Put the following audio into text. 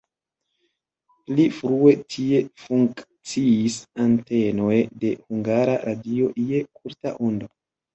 Pli frue tie funkciis antenoj de Hungara Radio je kurta ondo.